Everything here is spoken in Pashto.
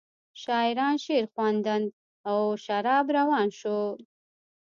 شاعران شعرخواندند او شراب روان شو.